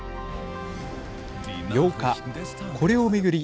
８日これを巡り